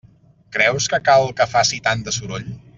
Creus que cal que faci tant de soroll?